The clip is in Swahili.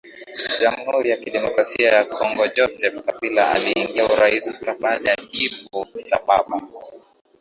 Jamhuri ya Kidemokrasia ya KongoJoseph Kabila Aliingia urais baada ya kifo cha baba